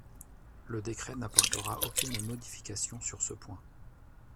Le décret n’apportera aucune modification sur ce point.